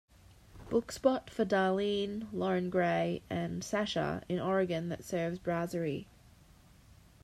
book spot for darlene, lauren gray and sasha in Oregon that serves brasserie